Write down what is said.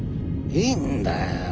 いんだよ。